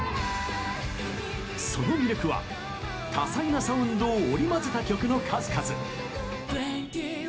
その魅力は、多彩なサウンドを織り交ぜた曲の数々。